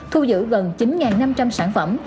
thu giữ gần chín năm trăm linh sản phẩm